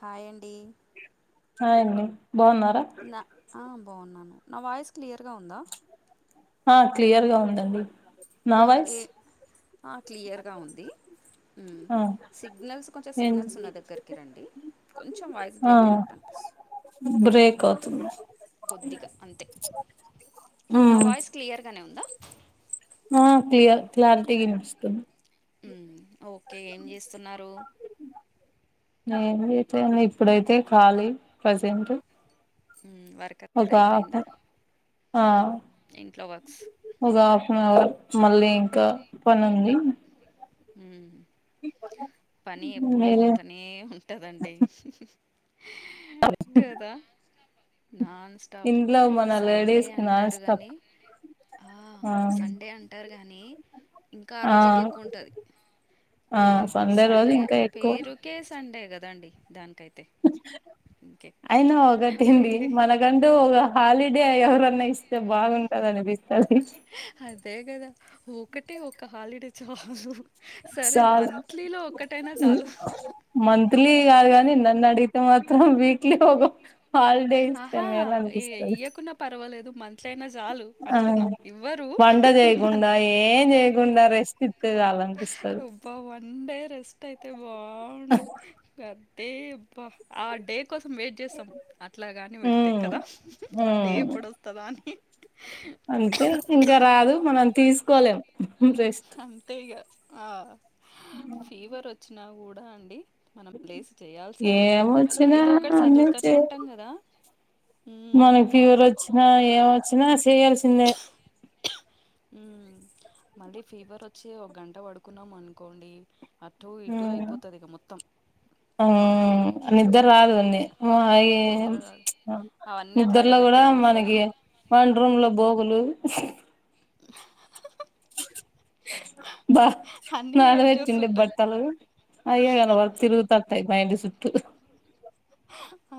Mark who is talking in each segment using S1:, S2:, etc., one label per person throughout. S1: హాయి అండి
S2: హాయి అండి బాగున్నారా
S1: నా ఆ బాగున్నాను నా వాయిస్ క్లియర్గా ఉందా
S2: ఆ క్లియర్ గా ఉందండి నా
S1: ఆ
S2: వాయిస్
S1: ఏ ఆ క్లియర్గా ఉంది
S2: ఆ
S1: సిగ్నల్స్ కొంచెం
S2: ఏం
S1: సిగ్నల్స్ ఉన్న దగ్గరికి రండి కొంచెం వాయిస్
S2: ఆ
S1: బ్రేక్ అయినట్టు అనిపిస్తు
S2: బ్రేక్ అవుతుంది
S1: కొద్దిగా అంతే నా
S2: ఉమ్
S1: వాయిస్ క్లియర్గానే ఉందా
S2: ఆ క్లియర్ క్లారిటీగి వినిపిస్తుంది
S1: ఉ ఓకే ఏం చేస్తున్నారు
S2: ఏం లేదు ఇప్పుడైతే కాలి ప్రజెంట్
S1: ఉ వర్క్ అంత
S2: ఒక హాఫ్
S1: అయిపోయిందా
S2: ఆ
S1: ఇంట్లో వర్క్స్
S2: ఒక హాఫ్ అన్ అవర్ మళ్ళీ ఇంకా పని ఉంది
S1: హు పని ఎప్పుడు
S2: మీరే
S1: ఉంటనే ఉంటదండి గద నాన్ స్టాప్
S2: ఇంట్లో మన
S1: సండే
S2: లేడీస్ కి నాన్
S1: అంటారు
S2: స్టాప్
S1: గానీ ఆ సండే అంటారు గాని ఇంకా ఆ రోజు ఇంకా ఎక్కువ ఉంటది ఆ
S2: రోజు
S1: సండే
S2: ఇంకా ఎక్కువ
S1: పేరుకే సండే కదా అండి దానికి
S2: అయినా
S1: పే
S2: ఒకటింది మనకంటూ ఒక హాలీ డే ఎవరన్నా ఇస్తే బాగుంటది అనిపి
S1: అదే కదా ఒకటి ఒక హాలిడే చాలు సరే
S2: సాల్
S1: మంత్లీలో ఒక్కటైనా చాలు
S2: మంత్లీ కాదు కాని నన్ను అడిగి తే మాత్రం వీక్లీ హాలిడేస్
S1: ఆహా
S2: మేల్
S1: ఏ
S2: అనిపిస్తది
S1: ఇయ్యకున్నా పర్వాలేదు మంత్లీ అయినా చాలు
S2: ఆ
S1: అంటున్నా ఇవ్వరు
S2: వంట జయకుండా ఏం జయకుండా రెస్ట్ ఇ త్తే చాలనిపిస్తాది
S1: అబ్బా వన్ డే రెస్ట్ అయితే బాగుండు అద్దే అబ్బా ఆ డే కోసం వెయిట్ చేస్తాం అట్లాగాని పెడతయి
S2: ఉమ్
S1: కదా అ డే
S2: ఉమ్
S1: ఎప్పుడు వస్తదా అని
S2: అంతే ఇంకా రాదు మనం తీసుకోలేం రెస్ట్
S1: అంతే ఇగా ఆ ఫీవర్ వచ్చినా కూడా అండి మనం లేసి చేయాల్సిందే
S2: ఏమొచ్చినా
S1: ఏదో ఒకటి
S2: అన్ని
S1: సాధుర్తానే
S2: చే
S1: ఉంటాం కదా
S2: మనకి ఫీవర్ వచ్చినా ఏమోచ్చినా చేయాల్సిందే.
S1: ఉమ్ మళ్ళీ ఫీవర్ వచ్చి ఒక గంట పడుకున్నాం అనుకోండి. అటు ఇటు అయిపోతది ఇక మొత్తం. ఆ
S2: ఆహ్ నిద్దర రాదువన్నీ
S1: నిద్ర
S2: ఆహ్ ప్చ్.
S1: రాదు అవన్నీ అట్లాగే పెట్టి ఏం వస్తుది.
S2: మరి రూమ్ లో బోగులు.
S1: [inaudible]
S2: బాగ్.
S1: అన్నీ వెయిట్
S2: నాలువేచ్చింది
S1: చేస్తుంటాయి
S2: బట్టలు అయగ వర్ తిరుగుతతాయి బయిండి సుట్ట. ఆహ్.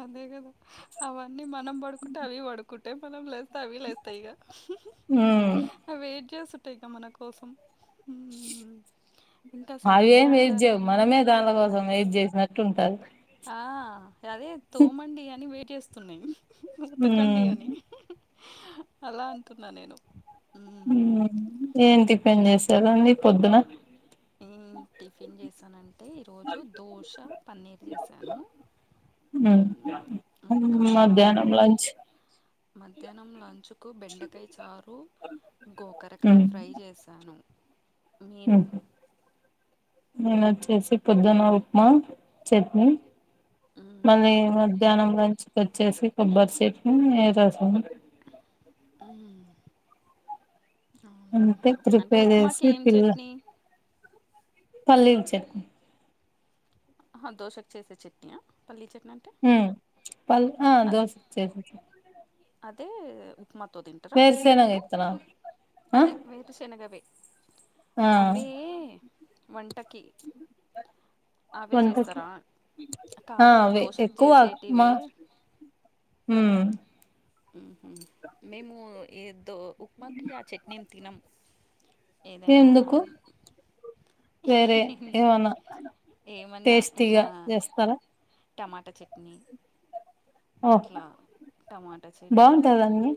S1: అదే కదా అవన్నీ మనం పడుకుంటే అవి పడుకుంటాయి మనం లేస్తే. తవిలేస్తాయి ఇంకా
S2: ఉమ్
S1: అవి వెయిట్ చేస్తుంటాయి ఇంకా మన కోసం. ఉమ్. ఇంకా సండే
S2: అవేమీ వెయిట్
S1: అంటారు
S2: చేయవు
S1: కానీ
S2: మనమే దానిల కోసం వెయిట్ చేసినట్టు ఉంటాది.
S1: ఆహ్ అదే తోమండి అని వెయిట్ చేస్తున్నాయి ఉతకండి
S2: ఉమ్
S1: అని. అలా అంటున్నా నేను.
S2: ఉమ్ ఏం టిఫిన్ చేసారండి పొద్దున.
S1: ఏం టిఫిన్ చేశానంటే నేన
S2: ఉమ్ మధ్యాహ్నం లంచ్.
S1: మధ్యాహ్నం లంచ్ కు బెండకాయ చారు. గోకరకాయ ఫ్రై చేశాను. మీరు
S2: ఉహూ. నేను వచ్చేసి పొద్దున్న ఉప్మా చట్నీ.
S1: మ్మ్
S2: మళ్ళీ ఏం వద్దు. మధ్యాహ్నం లంచ్ కూ వచ్చేసి కోబ్బర్ చెట్ని రాసము.
S1: ఉమ్.
S2: అందుకే ప్రిపేర్ చేసి
S1: ఏం
S2: పిల్ల.
S1: చట్నీ
S2: పల్లిచ్చ.
S1: ఆహ్ దోశకు చేసే చట్నియా పల్లీ చెట్.
S2: ఉమ్ ఆహ్ ప దోసకు చేసిన చట్నీ.
S1: అదే ఉప్మాతో తింటారా
S2: వేరుశెనగ
S1: మీరు
S2: విత్తనాలు ఆ
S1: అదే వేరుశనగవే.
S2: ఆ
S1: అవి వంటకి. అవే
S2: వంటకి
S1: చేస్తారా
S2: ఆ
S1: కాదు
S2: అవే
S1: దోశ కు
S2: ఎక్కువ
S1: చేసేటివే.
S2: మా ఉమ్.
S1: ఉమ్ మేము ఏదో ఉప్మాకి ఆ చట్నీ ఏం తినము. ఏదైనా.
S2: ఎందుకు వేరే ఏమన్నా టేస్టీగా చేస్తారా.
S1: టమాట చట్నీ.
S2: ఓ
S1: అట్లా టమాటా చట్నీ.
S2: బాగుంటదండి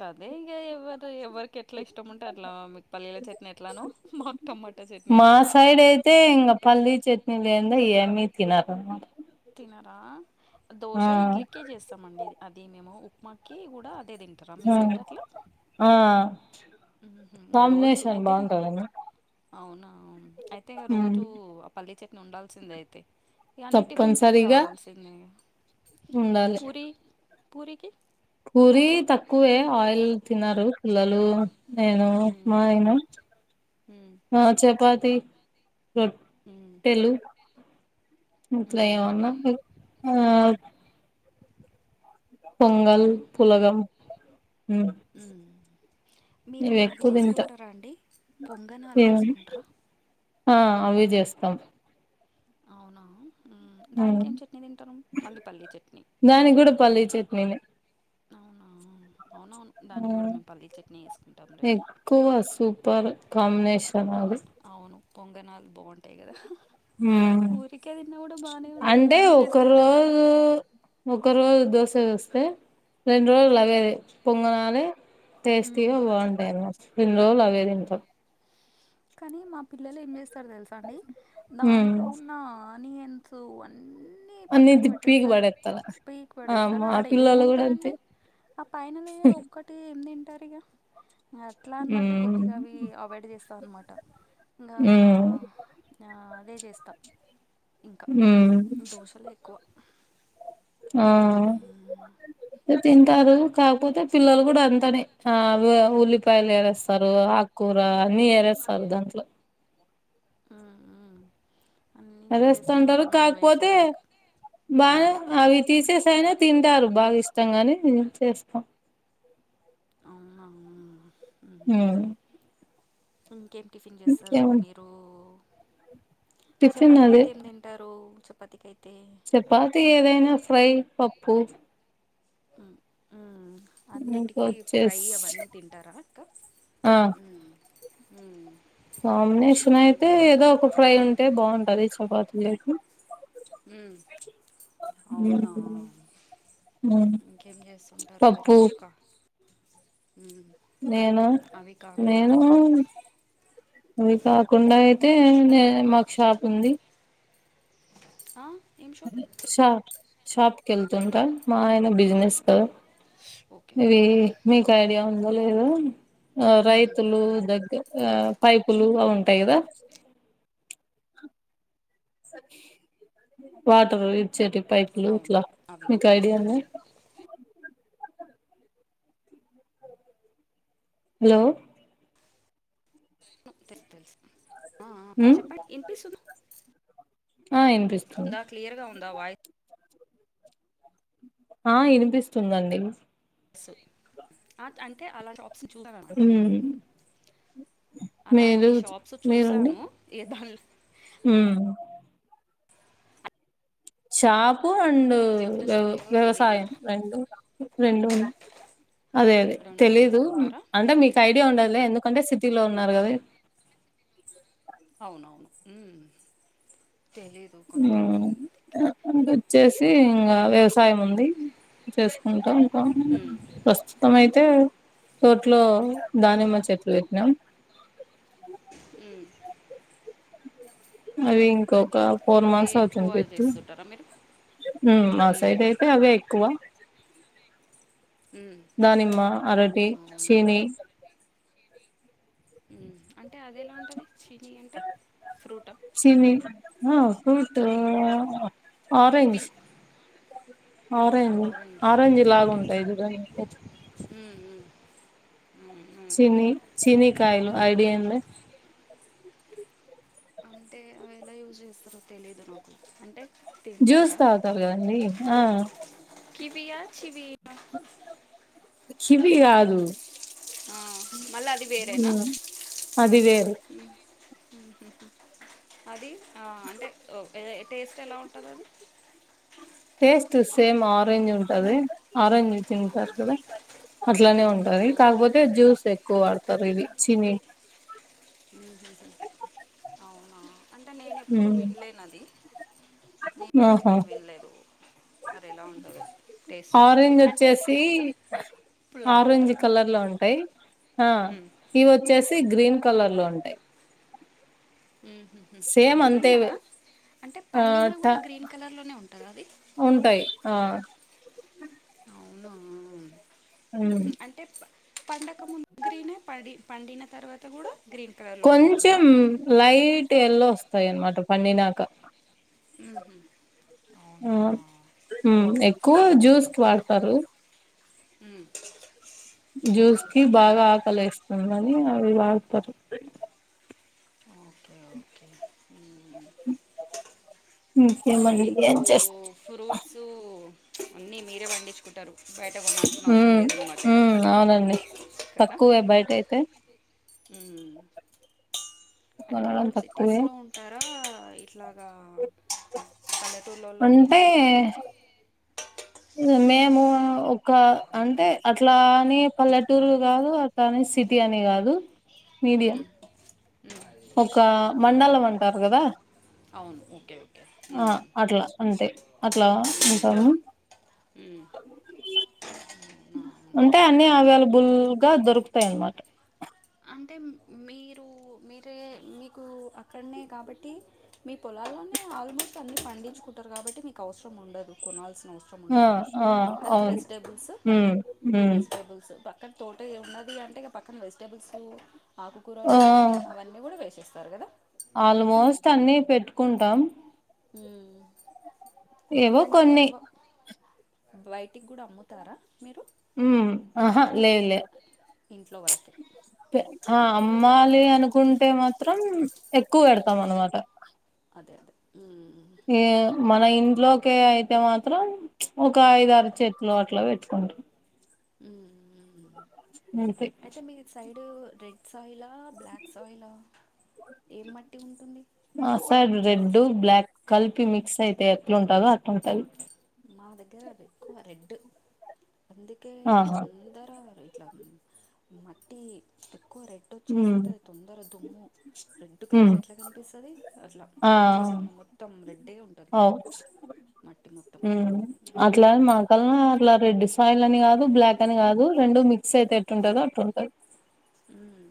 S1: కదే. ఏ ఎవరు ఎవరికి ఎట్లా ఇష్టం ఉంటే అట్లా మీకు పల్లీల చట్నీ ఎట్లానో మాకు టమాటా చట్నీ
S2: మా
S1: అట్లా.
S2: సైడ్ అయితే ఇంకా పల్లీ చట్నీ చే. మీరు తినారా.
S1: ఆహ్ దోశ ఇడ్లీకే చేస్తామండి అది మేము ఉప్మాకి కూడా. అదే తింటారా మీ
S2: ఉమ్
S1: సైడ్ అట్లా
S2: ఆహ్.
S1: ఉహు. రోజు
S2: కాంబినేషన్
S1: అయితే
S2: బాగుంటాదండి.
S1: అవునా అయితే ఇక రోజూ ఆ పల్లీ చట్నీ ఉండాల్సిందే అయితే ఇవన్నీ టిఫిన్స్కి
S2: తప్పనిసరిగా
S1: కావాల్సింది పూరి పూరికి
S2: పూరీ తక్కువే ఆయిల్ తిన్నారు పిల్లలు నేను
S1: మ్మ్
S2: ఉప్మా అయిన
S1: మ్మ్
S2: ఆ చపాతి
S1: మ్మ్
S2: రొట్టెలు ఇట్లా
S1: మ్మ్
S2: ఏమన్నా ఆ పొంగల్ పులగం ఉమ్
S1: ఉ మీరు
S2: ఇవి
S1: అవి
S2: ఎక్కువ తింటా
S1: చేసుకుంటారా అండి పొంగనాలు
S2: ఏం
S1: చేసుకుంటారా
S2: ఆ అవె చేస్తాం
S1: అవునా మ్మ్
S2: ఉ
S1: దానికేం చట్నీ తింటారు మళ్ళీ పల్లీ చట్నీ
S2: దాని కూడా పల్లి చట్నీనే
S1: అవునా అవునవును దానికి కూడా మేము పల్లీ చట్నీ వేసుకుంటాములేండి
S2: ఎక్కువ సూపర్ కాంబినేషన్ అది
S1: పొంగణాలు బాగుంటాయి కదా
S2: ఉ
S1: ఊరికే తిన్నా కూడా బానే ఉంటాయి
S2: అంటే
S1: అన్నీ
S2: ఒక
S1: వేస్తాం కదా
S2: రోజు ఒక్ ఒక రోజు దోశ వేస్తే రెండు రోజులు అవే అవే పొంగనాలె
S1: ఉమ్
S2: టేస్టీగా బాగుంటాయి ఇన్ని రోజులు అవే
S1: ఉమ్
S2: తింట
S1: కానీ మా పిల్లలు ఏం చేస్తారు తెలుసా అండి
S2: ఉమ్
S1: దాంట్లో ఉన్న అనియన్సు వన్
S2: అన్ని పీకి బడత్తల
S1: పీకి
S2: ఆ
S1: పడేస్తారు
S2: మా
S1: ఆడ
S2: పిల్లలు కూడ అంతే
S1: ఏముంటదండి ఆ పైన లేరు ఒక్కటి ఏం తింటారు ఇగ అట్లా అన్నట్టు
S2: ఉమ్
S1: కొద్దిగా అవి అవాయిడ్ చేస్త అన్నమాట ఇంగా
S2: ఉమ్
S1: అదే చేస్తాం ఇంక
S2: ఉమ్
S1: దోశలే ఎక్కువ
S2: ఆ
S1: హ్మ్.
S2: తింటారు కాకపోతే పిల్లలు కూడా అంతనే ఆ ఉల్లిపాయలు వేరేస్తారు ఆకూర అన్ని ఏరేస్తారు దాంట్లో
S1: ఆ ఆ
S2: అరుస్తాంటారు కాకపోతే
S1: ఎందుకు?
S2: బాగా
S1: హ్మ్.
S2: అవి తీసేసైనా తింటారు బాగా ఇష్టంగానే చేస్తాం
S1: అవునా!
S2: హ
S1: హుహు. ఇంకేం టిఫిన్ చేస్తారు మీరు
S2: టిఫిన్
S1: చపాతికి
S2: అదే
S1: అయితే ఏం తింటారు చపాతికి అయితే
S2: చపాతి ఏదైనా ఫ్రై పప్పుూ
S1: ఆ అన్నిటికీ ఫ్రై
S2: ఇంకొచ్చేసి
S1: అవన్నీ తింటారా అక్క
S2: ఆ
S1: ఊ హ
S2: కాంబినేషన్ అయితే ఏదో ఒక ఫ్రై ఉంటే బాగుంటది చపాతీలేకి
S1: ఉ అవునా ఇంకేం చేస్తుఉంటారు మీరు
S2: పప్పు
S1: హ్మ్.
S2: నేను
S1: అవి కాకుండా
S2: నేనూ అది కాకుండా అయితే నే మాక్ షాప్ ఉంది
S1: అ
S2: షా షాప్ కెళ్తుందా మా ఆయన బిజినెస్కు
S1: ఓకే.
S2: ఇది
S1: ఓకే.
S2: మీకు
S1: హ్మ్.
S2: ఐడియా ఉందో లేదో ఆ
S1: ఉమ్,
S2: రైతులు దగ్గ అ పైపులు అవి ఉంటాయి కదా వాటర్ ఇ చ్చేటివి పైపులు
S1: అవును
S2: ఇట్లా
S1: అవి
S2: మీకు ఐడియానా హాలో
S1: అ ఆ
S2: ఉమ్
S1: చెప్పండి ఇనిపిసున్
S2: ఆ ఇనిపిస్తుంది
S1: నా వాయి
S2: ఆ ఇనిపిస్తుందండి
S1: స్ అ అంటే అలాంటి ఆప్షన్ చూశా అన్నమాట
S2: ఉమ్ మీరు
S1: అలాంటి షాప్స్ చూసాను ఏదాన్ల్
S2: హుమ్ షాపు అండ్
S1: చెప్పిన షాప్
S2: వ్యవ్
S1: ఉంటాయో
S2: వ్యవసాయం
S1: తెలియదు
S2: రెండు రెండు ఉన్ అదే అదే
S1: రెండు
S2: తెలీదు
S1: చేసుకుంటారా
S2: అంటే మీకు ఐడియా ఉండదులే ఎందుకంటే సిటిలో ఉన్నారు కదా ఇ [inaudible]
S1: మ్ తెలీయదు కొంతమంది కి
S2: చేసి ఇంగా వ్యవసాయం ఉంది చేస్ కుంటం ఇంకా
S1: ఉమ్,
S2: ప్రస్తుతం అయితే తోట్లో దానిమ్మ చెట్లు పెట్నాం
S1: మ్
S2: అవి ఇంకో క ఫోన్
S1: అవే
S2: మంత్ అవుతుంది
S1: ఎక్కువ
S2: పెట్టి
S1: చేస్తుంటారా మీరు
S2: మ్ మ
S1: ఉమ్,
S2: సైడ్ అయితే అవే ఎక్కువ
S1: ఉమ్,
S2: దానిమ్మ అరటి
S1: అవునా
S2: చిలి
S1: మ్ అంటే అది ఎలా ఉంటుంది చినీ అంటే ఫ్రూట
S2: సివి ఆ ఫ్రూటు ఆ orange
S1: kiwi
S2: orange
S1: orange
S2: orange
S1: okay
S2: లాగా
S1: ఓకే
S2: ఉంటాయి చుడండి హెచ్
S1: మ్మ్, మ్మ్. మ్మ్, మ్మ్,
S2: చినీ
S1: మ్మ్.
S2: చినీ కాయలు ఐడియా ఉందా
S1: అంటే అవి ఎలా యూజ్ చేస్తారో తెలిదు నాకు అం
S2: జ్యూస్ తాగుతారు కదండీ ఆ
S1: కివియా ఆ చివీ అ
S2: చివి కాదు
S1: ఆ మల్ల అది వేరేనా
S2: అది వేరు
S1: అది ఆ అంటే అదే టేస్ట్ ఎలా ఉంటది అది
S2: టేస్ట్ సేమ్ ఆరెంజ్ ఉంటది ఆరెంజ్
S1: ఆహా.
S2: చూసుంటరు కదా అట్లానే
S1: అవునా
S2: ఉంటది
S1: మ్మ్,
S2: కాకపోతే జ్యూస్ ఎక్కువ టరివి చిని
S1: అవునా అంటే నేను ఎప్పుడు విన్లేన్ అది
S2: ఆహా
S1: ఎప్పుడు వినలేదు మరి ఎలా ఉంటది
S2: ఆరెంజ్ వచ్చేసి
S1: పుల్లగా
S2: ఆరెంజ్
S1: ఉంటుంది
S2: కలర్ లో ఉంటాయి ఆ ఇవి వచ్చేసి గ్రీన్ కలర్లో ఉంటాయి
S1: ఉహుహు.
S2: సేమ్
S1: గ్రీనా
S2: అంతేవే
S1: అంటే పండినా కూడా గ్రీన్ కలర్లోనే ఉంటాదా అది
S2: ఉంటాయి ఆ
S1: అవున
S2: ఉమ్
S1: అంటే ప్ పండక్ ముందు గ్రినే పండి పండిన తర్వాత కూడా గ్రీన్ కలర్లోనే
S2: కొంచెం
S1: ఉంటుందా
S2: లైట్ ఎల్లో వస్తాయి అన్నమాట పండినాక
S1: మ్
S2: ఆ మ్ ఎక్కువ జ్యూస్కి వాడుతారు
S1: మ్
S2: జ్యూస్ కి బాగా ఆకలేస్తుందని అవి వాడుతారు
S1: ఓకే ఓకే అయితే
S2: ఇంకేమండి
S1: మీకు
S2: ఏం చేస్త
S1: ఫ్రూట్స్ అన్నీ మీరే పండించుకుంటారు బయట కొనాల్సిన అవసరం
S2: మ్
S1: లేదన్నమాట ఇక
S2: మ్ అవునండి తక్కువే బయటైతే
S1: మ్ అంటే
S2: కొనడం
S1: మీరు సిటీస్
S2: తక్కువే
S1: లో ఉంటారా ఇట్లాగా
S2: అంటే
S1: పల్లెటూర్లోళ్ళోళ్ళేనా
S2: మేము ఒక అంటే అట్లా నీ పల్లెటూరు కాదు అట్లని సిటీ అని కాదు మీడియం
S1: మ్మ్. మ్మ్.
S2: ఒక
S1: అవునా
S2: మండలం అంటారు కదా
S1: అవును ఓకే ఓకే
S2: ఆ
S1: మ్మ్.
S2: అట్లా అంతే అట్లా ఉంటాము
S1: మ్మ్. అవునా
S2: అంటే
S1: అవును
S2: అన్ని ఆవైలబు బుల్గా దొరుకుతాయన్మాట
S1: అంటే మీరు మీరే మీకు అక్కన్నే కాబట్టి మీ పొలాల్లోనే ఆల్మోస్ట్ అన్ని పండించుకుంటారు కాబట్టి మీకు అవసరం ఉండదు కొనాల్సి నవసరం
S2: ఆ
S1: ఉండదు
S2: ఆ
S1: కదా
S2: అవును
S1: వెజిటేబుల్స్
S2: ఉమ్ ఉమ్
S1: వెజిటేబుల్స్ త పక్కనే తోట ఉన్నది అంటే ఇగ పక్కన వెజిటేబుల్సు ఆకుకూరలు
S2: ఆ
S1: అవన్నీ కూడా వేసేస్ స్తరు కదా
S2: ఆల్మోస్ట్ అన్నిీ పెట్టుకుంటాం
S1: మ్
S2: ఏవో కొన్ని
S1: బయటికి కూడా అమ్ముతారా మీరు
S2: మ్ ఆహా లేదు లే
S1: ఇంట్లో వరకే
S2: అ అమ్మాలి అనుకుంటే మ త్రం ఎక్కువ పెడుతాం అన్నమాట
S1: మ్
S2: యి మన ఇంట్లోకే అయితే మాత్రం ఒక ఐదరు చెట్లు అట్లా పెట్ కొంట
S1: మ్
S2: అంతే
S1: అయితే మీ సైడ్ రెడ్ సాయిల్ ఇలా బ్లాక్స్ సాయిల్ ఏం మట్టి ఉంటుంది
S2: డ్ బ్లాక్ కలిపి మిక్స్ అయితే ఎట్లా ఉంటదో అటుంటది
S1: మా దగ్గర ఎక్కువ రెడ్ అందుకే
S2: ఆహా
S1: తొందర ఇట్లా మట్టి ఎక్కువ రెడ్
S2: ఉమ్
S1: వచ్చేసుంటది తొందర దుమ్ము రెడ్ కలర్
S2: ఉమ్
S1: ఎట్లా కనిపిస్తది అట్లా
S2: ఆ
S1: వచ్చేస్తది మొత్తం రెడ్ అట్టే ఉంటరిక్కడ మట్టి మొ
S2: మ్ అట్లా మాకల్ అట్లా రెడ్ సయిల్ అని కాదు బ్లాక్ అని కాదు రెండు మిక్స్ అయిత్ తే ఎట్టుంటందో అట్టుంటది
S1: మ్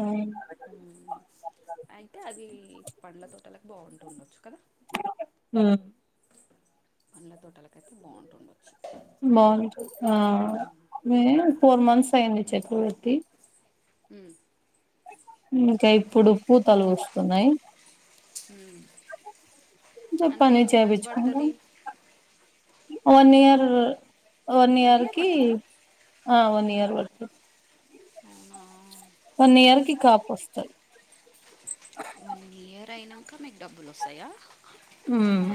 S2: ఉమ్
S1: అయితే అది పండ్లతో అల బాగుండచ్చు కదా
S2: హ
S1: పండ్ల తోటాలకైతే బాగుంటుండవచ్చు.
S2: బావుంట ఆ వే ఫోర్ మంత్స్ అయ్యంది చెక్కులు పెట్టి
S1: ఉ
S2: ఇంకా ఇప్పుడు పూతలు వస్తున్నాయి.
S1: ఉ
S2: జప్పనీ చేపిచ్చుకుంటాం వన్ ఇయర్ వన్ ఇయర్ కి ఆ వన్ ఇయర్ పడుతు
S1: అవునా
S2: వన్
S1: ఉహు.
S2: ఇయర్ కి కాపు వస్తాది.
S1: కా మీకు డబ్బులు వస్తాయా?
S2: ఉమ్